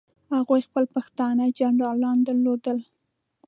هغوی خپل پښتانه جنرالان درلودل.